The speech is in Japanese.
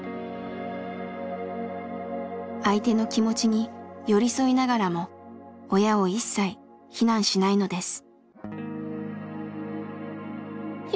相手の気持ちに寄り添いながらも親を一切非難しないのです。